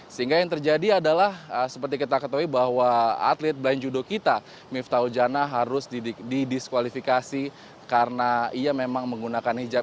sehingga yang terjadi adalah seperti kita ketahui bahwa atlet blind judo kita miftah ujana harus didiskualifikasi karena ia memang menggunakan hijab